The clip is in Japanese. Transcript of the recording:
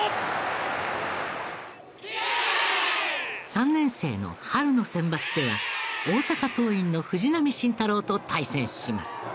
３年生の春の選抜では大阪桐蔭の藤浪晋太郎と対戦します。